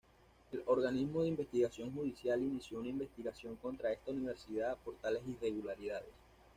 El Organismo de Investigación Judicial inició una investigación contra esta universidad por tales irregularidades.